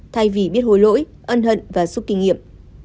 thay vì biết hồi lỗi ân hận và xúc kinh nghiệm